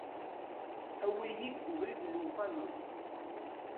Awi-yi deg ubrid n lewqama.